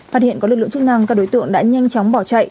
phát hiện có lực lượng chức năng các đối tượng đã nhanh chóng bỏ chạy